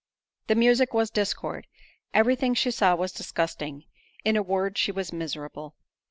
The music was discord—every thing she saw was disgusting—in a word, she was miserable.